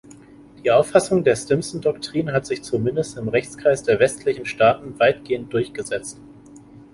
Die Auffassung der Stimson-Doktrin hat sich zumindest im Rechtskreis der westlichen Staaten weitgehend durchgesetzt.